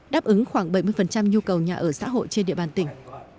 đáp ứng khoảng bảy mươi nhu cầu nhà ở xã hội trên địa bàn tỉnh